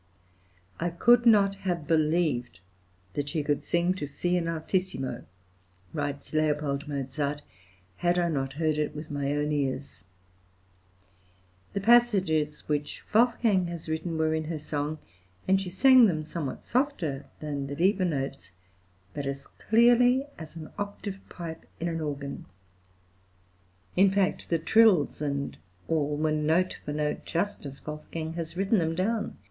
"I could not have believed that she could sing to C in altissimo," writes L. Mozart, "had I not heard it with my own ears. The passages which Wolfgang has written were in her song, and she sang them somewhat softer than the deeper notes, but as clearly as an octave pipe in an organ. In fact, the trills and all were note for note just as Wolfgang has written them down.